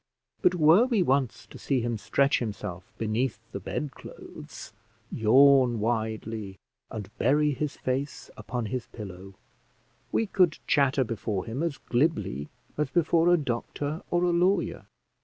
But were we once to see him stretch himself beneath the bed clothes, yawn widely, and bury his face upon his pillow, we could chatter before him as glibly as before a doctor or a lawyer.